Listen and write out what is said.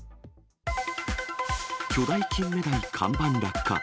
巨大キンメダイ看板落下。